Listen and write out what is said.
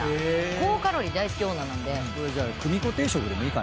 高カロリー大好き女なんで。